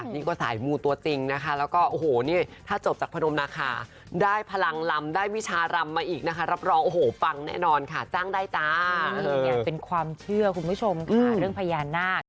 นี่ยังไม่ได้เริ่มรำเลยนะ